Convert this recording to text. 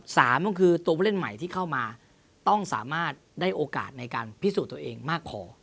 สามก็คือตัวผู้เล่นใหม่ที่เข้ามาต้องสามารถได้โอกาสในการพิสูจน์ตัวเองมากพอ